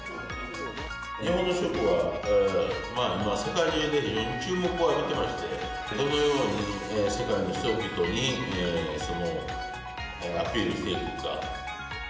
日本の食は今、世界で非常に注目を浴びてまして、どのように世界の人々にアピールしていくか。